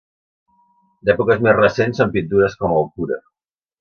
D'èpoques més recents són pintures com El Cura.